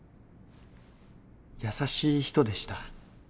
優しい人でした。